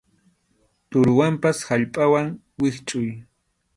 Tʼuruwanpas kallpawan wischʼuy.